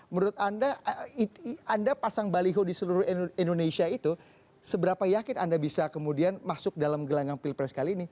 menurut anda anda pasang baliho di seluruh indonesia itu seberapa yakin anda bisa kemudian masuk dalam gelanggang pilpres kali ini